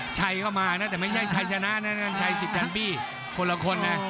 ใครก็มานะแต่ไม่ใช่ชายชนะนะใช่สิทธิ์การบี้คนละคนนะ